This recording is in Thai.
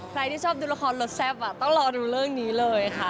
ใครที่ชอบดูละครรสแซ่บต้องรอดูเรื่องนี้เลยค่ะ